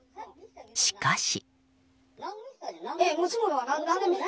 しかし。